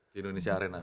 di indonesia arena